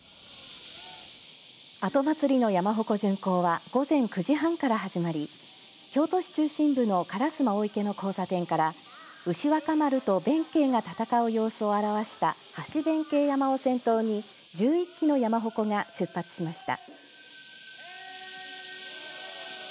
後祭の山鉾巡行は午前９時半から始まり京都市中心部の烏丸御池の交差点から牛若丸と弁慶が戦う様子を表した橋弁慶山を先頭に１１基の山鉾が出発しました。